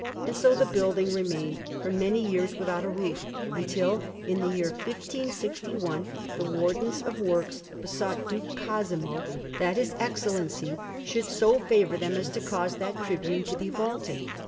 And so the building remained for many years without a roof, until, in the year 1561, the Wardens of Works besought Duke Cosimo that his Excellency should so favour them as to cause that tribune to be vaulted.